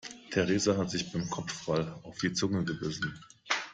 Theresa hat sich beim Kopfball auf die Zunge gebissen.